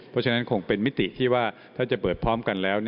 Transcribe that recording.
เพราะฉะนั้นคงเป็นมิติที่ว่าถ้าจะเปิดพร้อมกันแล้ว